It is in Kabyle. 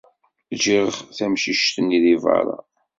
Ǧǧiɣ tamcict-nni deg berra.